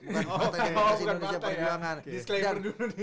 bukan partai generasi indonesia perjuangan